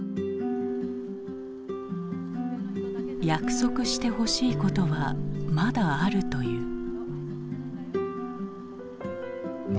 約束してほしいことはまだあるという。